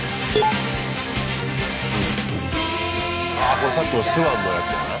これさっきのスワンのやつじゃない？